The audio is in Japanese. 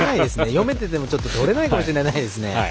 読めていてもとれないかもしれないですね。